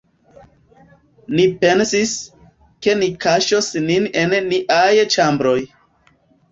Ni pensis, ke ni kaŝos nin en niaj ĉambroj.